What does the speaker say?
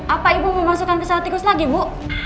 apa ibu mau masukkan ke sel tikus lagi bu